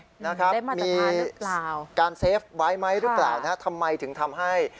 ได้มาตรภาพหรือเปล่ามีการเซฟไว้ไหมหรือเปล่าทำไมถึงทำให้